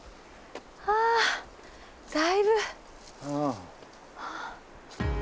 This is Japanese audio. はあだいぶ。